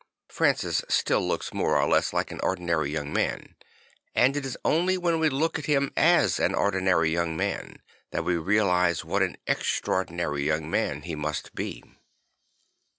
Francis still looks more or less like an ordinary young man; and it is only when we look at him as an ordinary young man, that we realise what an extraordinary young man he must be.